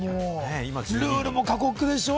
ルールも過酷でしょ。